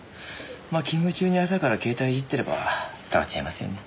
まあ勤務中に朝から携帯いじってれば伝わっちゃいますよね。